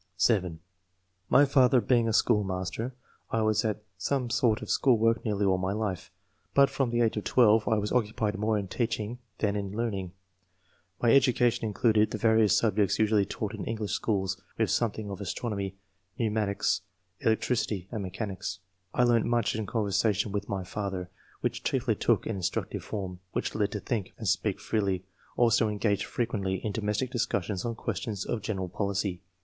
(7) " My father being a schoolmaster, I was at some sort of school work nearly all my life, but from the age of 12 I was occupied more in teaching than in learning. My education in cluded the various subjects usually taught in English schools, with something of astronomy, pneumatics, electricity, and mechanics. I learnt much in conversation with my father, which chiefly took an instructive form. Was led to think and speak freely, also to engage frequently in domestic discussions on questions of general policy.